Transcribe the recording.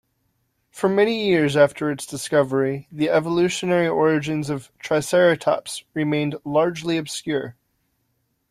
For many years after its discovery, the evolutionary origins of "Triceratops" remained largely obscure.